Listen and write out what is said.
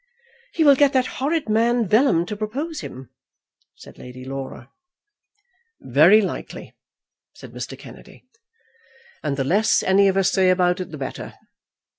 "He will get that horrid man Vellum to propose him," said Lady Laura. "Very likely," said Mr. Kennedy. "And the less any of us say about it the better.